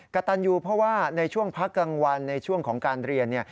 กระตันยูเพราะว่าในช่วงพักกลางวันในช่วงของการเรียน